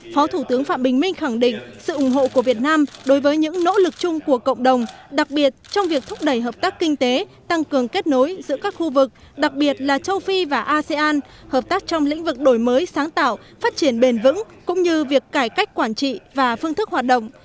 phó thủ tướng phạm bình minh khẳng định sự ủng hộ của việt nam đối với những nỗ lực chung của cộng đồng đặc biệt trong việc thúc đẩy hợp tác kinh tế tăng cường kết nối giữa các khu vực đặc biệt là châu phi và asean hợp tác trong lĩnh vực đổi mới sáng tạo phát triển bền vững cũng như việc cải cách quản trị và phương thức hoạt động